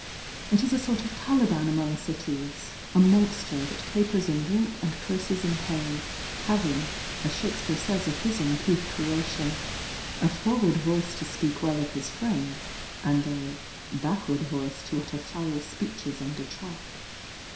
It is a sort of Caliban among cities, — a monster that capers in drink and curses in pain, having, as Shake speare says of his uncouth creation : "A forward voice to speak well of his friend," and a "backward voice to utter foul speeches and detract."